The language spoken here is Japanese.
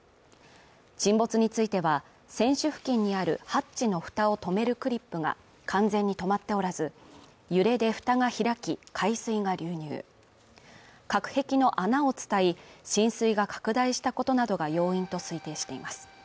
沈没については船首付近にあるハッチの蓋を留めるクリップが完全に止まっておらず揺れでふたが開き海水が流入隔壁の穴を伝い浸水が拡大したことなどが要因と推定しています